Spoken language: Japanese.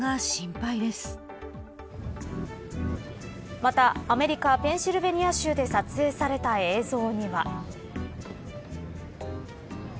またアメリカペンシルベニア州で撮影された映像には。